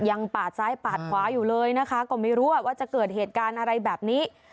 ปาดซ้ายปาดขวาอยู่เลยนะคะก็ไม่รู้ว่าจะเกิดเหตุการณ์อะไรแบบนี้